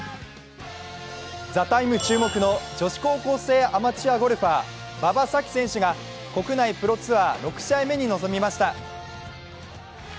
注目の女子高校生アマチュアゴルファー馬場咲希選手が国内プロツアー６試合目に臨みました。